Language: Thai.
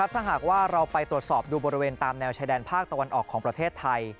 ถ้าหากว่าเราไปตรวจสอบดูบริเวณตามแนวชายแดนภาคตะวันออกของประเทศไทย